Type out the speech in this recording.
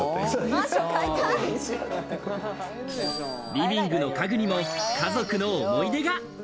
リビングの家具にも家族の思い出が。